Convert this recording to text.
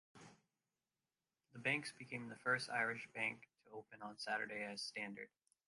The banks became the first Irish bank to open on Saturday as standard.